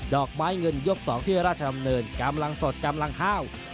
อกไม้เงินยก๒ที่ราชดำเนินกำลังสดกำลังข้าว